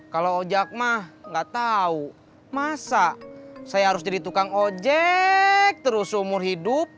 kalau ojak mah nggak tahu masa saya harus jadi tukang ojek terus seumur hidup